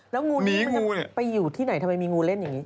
แล้วงูนี้มันไปอยู่ที่ไหนทำไมมีงูเล่นอย่างนี้